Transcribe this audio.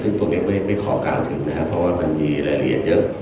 ซึ่งตัวนี้ไม่ข่อการเลยเลือกถึงนะครับเพราะมันมีรายละเอียดเยอะ